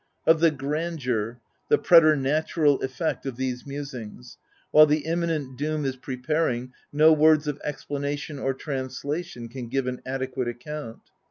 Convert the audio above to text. Of the grandeur, the preternatural effect, of these musings, while the imminent doom is preparing, no words of explanation or translation can give an adequate account.